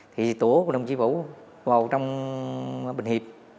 thì tổ của đồng chí vũ vào trong bình hiệp